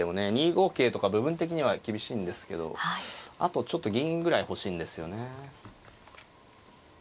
２五桂とか部分的には厳しいんですけどあとちょっと銀ぐらい欲しいんですよね。